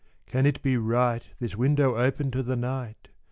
can it be right, This window open to the night?